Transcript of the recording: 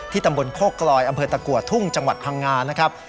ตำบลโคกลอยอำเภอตะกัวทุ่งจังหวัดพังงานะครับ